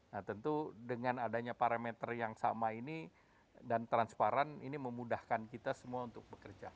nah tentu dengan adanya parameter yang sama ini dan transparan ini memudahkan kita semua untuk bekerja